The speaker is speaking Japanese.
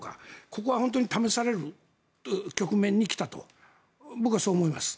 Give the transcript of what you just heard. ここは本当に試される局面に来たと、僕はそう思います。